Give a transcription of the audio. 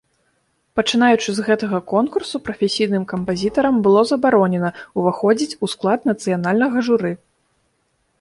Пачынаючы з гэтага конкурсу, прафесійным кампазітарам было забаронена ўваходзіць у склад нацыянальнага журы.